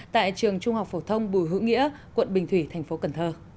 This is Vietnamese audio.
tại trường trung học phổ thông bùi hữu nghĩa quận bình thủy tp cn